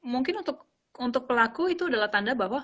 mungkin untuk pelaku itu adalah tanda bahwa